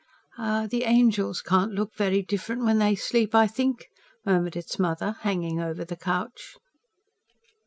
"The angels can't look very different when they sleep, I think," murmured its mother, hanging over the couch.